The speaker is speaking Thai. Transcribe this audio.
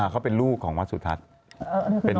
เขาเป็นลูกของวัดสุทัศน์